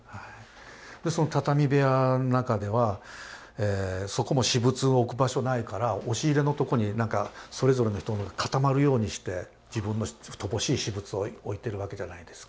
畳部屋の中ではそこも私物を置く場所ないから押し入れのとこにそれぞれの人の固まるようにして自分の乏しい私物を置いてるわけじゃないですか。